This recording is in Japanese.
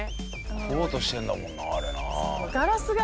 食おうとしてんだもんなあれな。